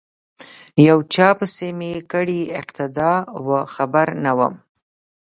یو چا پسی می کړې اقتدا وه خبر نه وم